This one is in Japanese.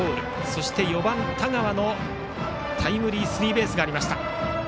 そして４番、田川のタイムリースリーベースがありました。